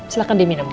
silahkan di minum bu